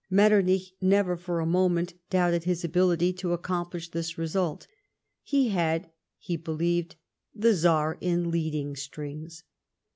Metternich never for a moment doubted his ability to accomplish this result. He had, he believed, the Czar in leading strings.